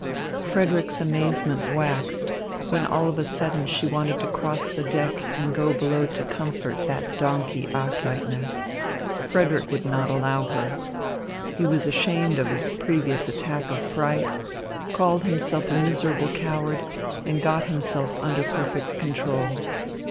Frederick's amazement waxed when all of a sudden she wanted to cross the deck and go below to comfort that donkey Achleitner. Frederick would not allow her. He was ashamed of his previous attack of fright, called himself a miserable coward, and got himself under perfect control.